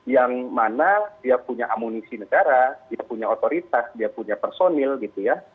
yang mana dia punya amunisi negara dia punya otoritas dia punya personil gitu ya